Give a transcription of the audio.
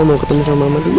mau ketemu sama oma dulu